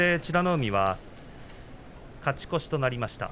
海は勝ち越しとなりました。